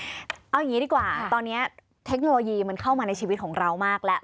เอาอย่างนี้ดีกว่าตอนนี้เทคโนโลยีมันเข้ามาในชีวิตของเรามากแล้ว